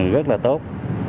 rất là tốt